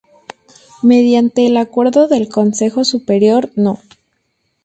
Mediante el Acuerdo del Consejo Superior No.